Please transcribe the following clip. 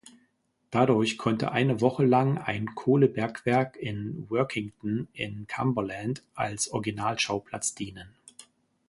Dadurch konnte eine Woche lang ein Kohlebergwerk in Workington in Cumberland als Originalschauplatz dienen.